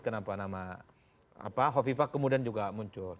kenapa nama hovifa kemudian juga muncul